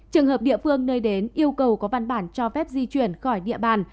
trường hợp địa phương nơi đến yêu cầu có văn bản cho phép di chuyển khỏi địa bàn